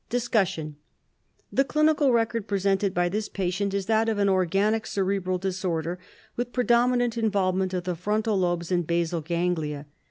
DISCUSSION: The clinical record presented by this patient is that of an organic cerebral disorder, with predominant involvement of the frontal lobes and basal ganglia.